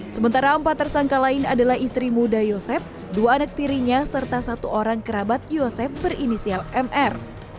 sementara empat tersangka lain adalah istri muda yosep dua anak tirinya serta satu orang kerabat yosep berinisial mr